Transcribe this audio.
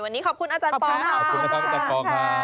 วันนี้ขอบคุณอาจารย์ปอลค่ะขอบคุณอาจารย์ปองค่ะ